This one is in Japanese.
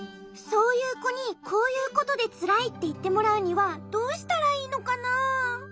そういうこに「こういうことでつらい」っていってもらうにはどうしたらいいのかな？